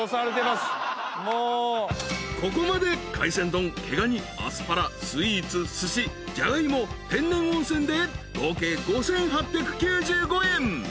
［ここまで海鮮丼毛ガニアスパラスイーツすしジャガイモ天然温泉で合計５，８９５円］